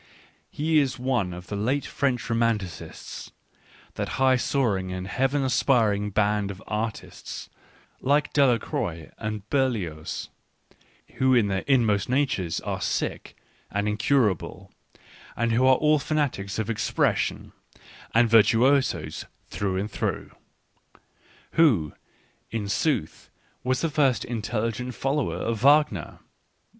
He is one of the late French romanticists, that high soaring and heaven aspiring band of artists, like Delacroix and Berlioz, who in their inmost nacres are sick and incurable, and who are all fanatics of expression, and virtuosos through and through. ... Who, in sooth, was the first intelligent follower of Wagner?